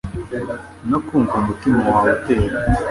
no kumva uko umutima wawe utera